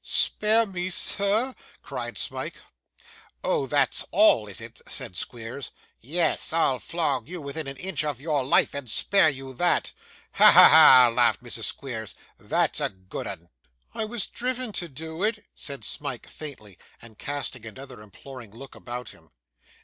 'Spare me, sir!' cried Smike. 'Oh! that's all, is it?' said Squeers. 'Yes, I'll flog you within an inch of your life, and spare you that.' 'Ha, ha, ha,' laughed Mrs. Squeers, 'that's a good 'un!' 'I was driven to do it,' said Smike faintly; and casting another imploring look about him.